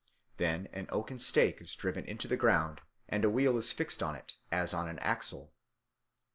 Then an oaken stake is driven into the ground and a wheel is fixed on it as on an axle.